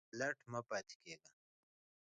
لټ مه پاته کیږئ